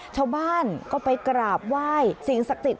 ชาวบ้านก็ไปกราบว่ายสิงห์ศักดิ์ติด